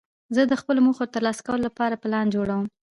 زه د خپلو موخو د ترلاسه کولو له پاره پلان جوړوم.